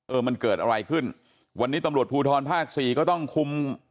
เออมันเกิดอะไรขึ้นวันนี้ตำรวจภูทรภาคสี่ก็ต้องคุม